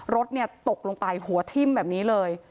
รถตกลงไปหัวทิ่มแบบนี้เลย